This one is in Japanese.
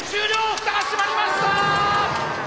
蓋が閉まりました！